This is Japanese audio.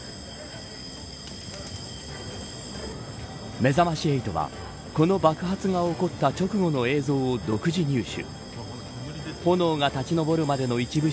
めざまし８はこの爆発が起こった直後の映像を独自入手。